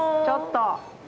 ちょっと！